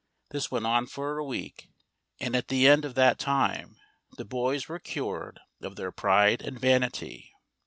This went on for a week, and at the end of that time the boys were cured of their pride and vanity.